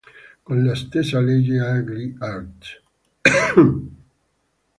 Con la stessa legge agli artt.